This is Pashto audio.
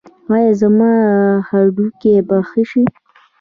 ایا زما هډوکي به ښه شي؟